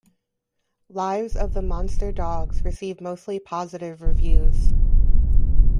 "Lives of the Monster Dogs" received mostly positive reviews.